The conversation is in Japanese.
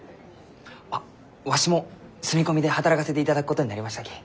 あっわしも住み込みで働かせていただくことになりましたき。